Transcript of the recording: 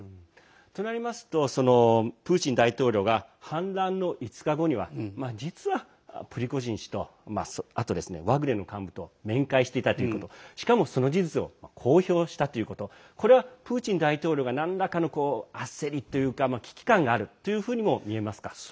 となりますとプーチン大統領が反乱の５日後には実はプリゴジン氏とあとワグネル幹部と面会していたということでしかも、その事実を公表したということこれはプーチン大統領がなんらかの焦りというか危機感があるというふうにも見えますか。